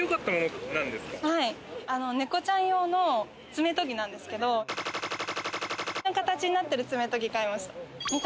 猫ちゃん用の爪とぎなんですけど、の形になってる爪とぎ、買いました。